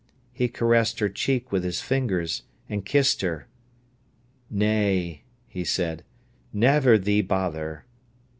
He caressed her cheek with his fingers, and kissed her. "Nay!" he said. "Never thee bother!"